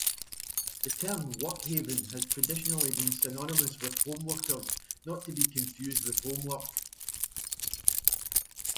The term workhaven has traditionally been synonymous with home-workers-not to be confused with homework.